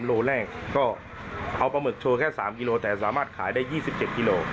โลแรกก็เอาปลาหมึกโชว์แค่๓กิโลแต่สามารถขายได้๒๗กิโล